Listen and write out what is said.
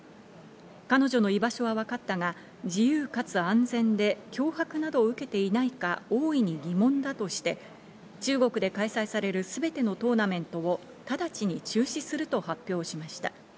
彼女の居場所はわかったが、自由かつ安全で脅迫などを受けていないか大いに疑問だとして、中国で開催されるすべてのトーナメントを直ちに中止すると発表しました。